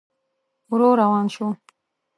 ورو روان شو.